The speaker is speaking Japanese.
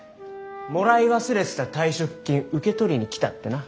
もらい忘れてた退職金受け取りに来たってな。